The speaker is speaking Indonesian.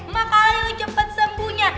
makanya lo cepat sembuhnya